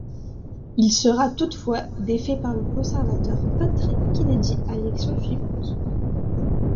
Il sera toutefois défait par le conservateur Patrick Kennedy à l'élection suivante.